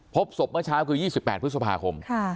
พบศพเมื่อเช้าคือ๒๘พฤษภาคม